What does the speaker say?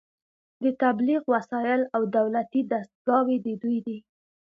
د تبلیغ وسایل او دولتي دستګاوې د دوی دي